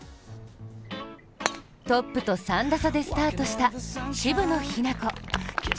トップと３打差でスタートした渋野日向子。